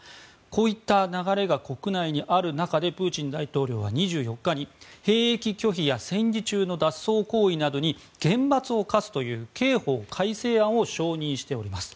こういった流れが国内にある一方でプーチン大統領は２４日に兵役拒否や戦時中の脱走行為などに厳罰を科すという刑法改正案を承認しています。